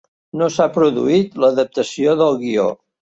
No s'ha produït l'adaptació del guió.